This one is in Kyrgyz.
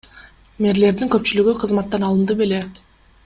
Мэрлердин көпчүлүгү кызматтан алынды беле?